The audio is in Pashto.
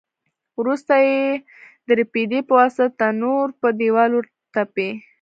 وروسته یې د رپېدې په واسطه د تنور په دېوال ورتپي.